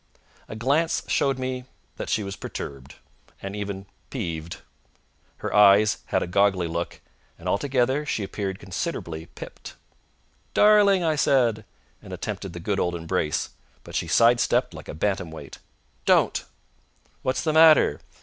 A glance showed me that she was perturbed, and even peeved. Her eyes had a goggly look, and altogether she appeared considerably pipped. "Darling!" I said, and attempted the good old embrace; but she sidestepped like a bantam weight. "Don't!" "What's the matter?"